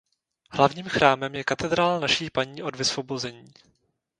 Hlavním chrámem je Katedrála Naší Paní od vysvobození.